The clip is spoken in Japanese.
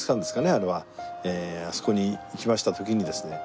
あそこに行きました時にですね